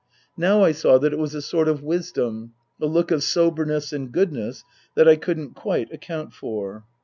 Now I saw that it was a sort of wisdom, a look of soberness and goodness that I couldn't quite account for.